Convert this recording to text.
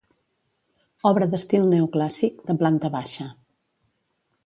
Obra d'estil neoclàssic, de planta baixa.